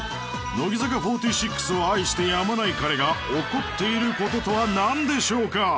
乃木坂４６を愛してやまない彼が怒っている事とはなんでしょうか？